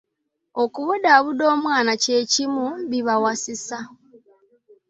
Okubudaabuda omwami kye kimu bibawasisa.